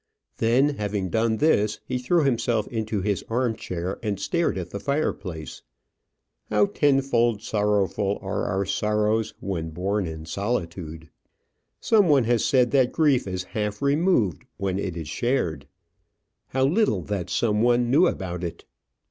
Then, having done this, he threw himself into his arm chair, and stared at the fireplace. How tenfold sorrowful are our sorrows when borne in solitude! Some one has said that grief is half removed when it is shared. How little that some one knew about it!